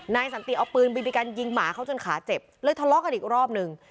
สันติเอาปืนบีบีกันยิงหมาเขาจนขาเจ็บเลยทะเลาะกันอีกรอบหนึ่ง